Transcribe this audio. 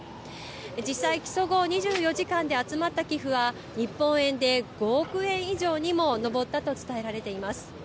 実際、起訴後２４時間で集まった寄付は、日本円で５億円以上にも上ったと伝えられています。